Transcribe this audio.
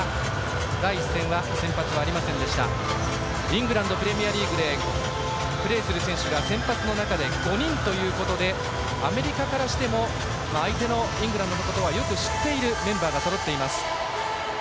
イングランドプレミアリーグでプレーする選手が先発の中で５人ということでアメリカからしても相手のイングランドのことはよく知っているメンバーがそろっています。